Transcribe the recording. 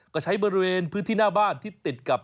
ก็ใช้บริเวณพื้นที่หน้าบ้านที่ติดกับ